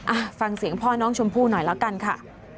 อ่ะฟังเสียงพ่อน้องชมพู่หน่อยแล้วกันค่ะ